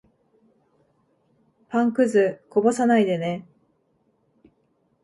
パンくず、こぼさないでね。